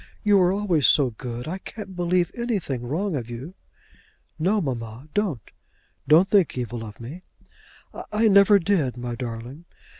You were always so good; I can't believe anything wrong of you." "No, mamma; don't. Don't think evil of me." "I never did, my darling."